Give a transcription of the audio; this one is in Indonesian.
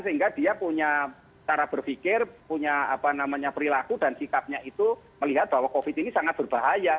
sehingga dia punya cara berpikir punya perilaku dan sikapnya itu melihat bahwa covid ini sangat berbahaya